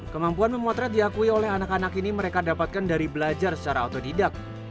kemampuan memotret diakui oleh anak anak ini mereka dapatkan dari belajar secara otodidak